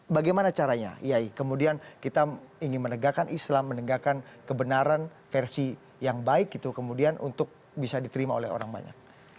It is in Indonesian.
bagaimana caranya yai kemudian kita ingin menegakkan islam menegakkan kebenaran versi yang baik gitu kemudian untuk bisa diterima oleh orang banyak